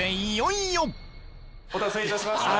お待たせいたしました。